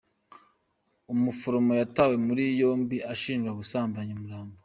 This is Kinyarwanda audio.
Umuforomo yatawe muri yombi ashinjwa gusambanya umurambo